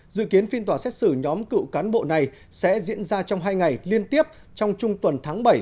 dự kiến phiên tòa xét xử nhóm cựu cán bộ này sẽ diễn ra trong hai ngày liên tiếp trong trung tuần tháng bảy